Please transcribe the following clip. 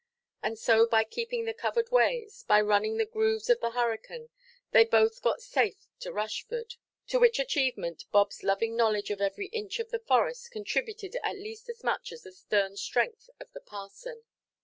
And so, by keeping the covered ways, by running the grooves of the hurricane, they both got safe to Rushford; to which achievement Bobʼs loving knowledge of every inch of the forest contributed at least as much as the stern strength of the parson.